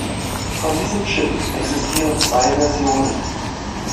Von diesem Clip existieren zwei Versionen.